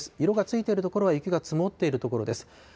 色がついているところは雪が積もっている所です。